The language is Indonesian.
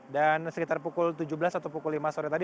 dan sekitar pukul tujuh belas atau pukul lima sore tadi